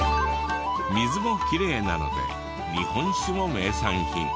水もきれいなので日本酒も名産品。